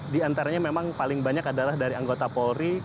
diantaranya memang paling banyak adalah dari anggota polri